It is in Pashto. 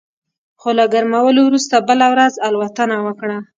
خو له ګرمولو وروسته بله ورځ الوتنه وکړه